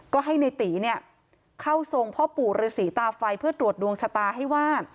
ก็ให้ในตีเนี่ยเข้าทรงพ่อปู่ฤษีตาไฟเพื่อตรวจดวงชะตาให้ว่า